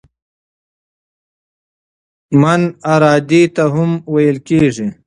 "من" ارادې ته هم ویل کیږي.